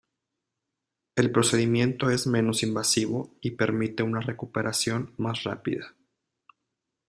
El procedimiento es menos invasivo y permite una recuperación más rápida.